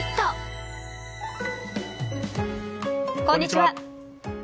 こんにちは。